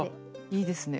いいですね。